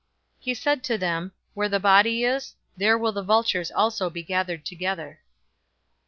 He said to them, "Where the body is, there will the vultures also be gathered together."